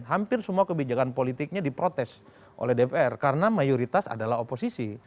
hampir semua kebijakan politiknya diprotes oleh dpr karena mayoritas adalah oposisi